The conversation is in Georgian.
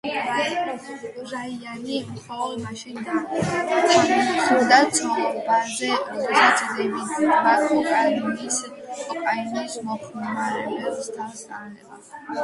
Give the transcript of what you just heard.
რაიანი მხოლოდ მაშინ დათანხმდა ცოლობაზე, როდესაც დევიდმა კოკაინის მოხმარებას თავი დაანება.